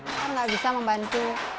kan enggak bisa membantu